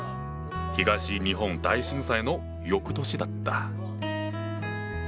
東日本大震災の翌年だった。